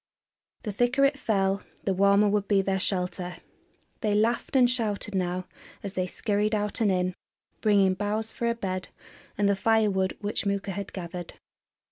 The thicker it fell the warmer would be their shelter. They laughed and shouted now as they scurried out and in, bringing boughs for a bed and the fire wood which Mooka had gathered.